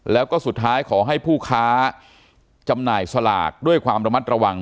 แล้วก็สุดท้ายขอให้ผู้ค้าจำหน่ายสลากด้วยความระมัดระวัง